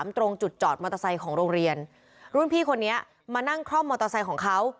ตรงจุดจอดมอเตอร์ไซค์ของโรงเรียนรุ่นพี่คนนี้มานั่งคล่อมมอเตอร์ไซค์ของเขา